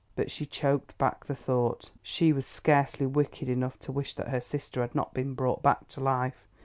But she choked back the thought; she was scarcely wicked enough to wish that her sister had not been brought back to life.